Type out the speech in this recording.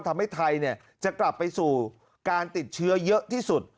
ทำให้ไทยจะกลับไปสู่การติดเชื้อเยอะที่สุด